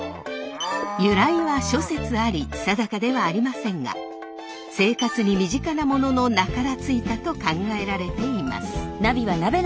由来は諸説あり定かではありませんが生活に身近なものの名から付いたと考えられています。